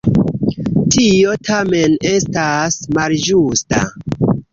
Tio tamen estas malĝusta.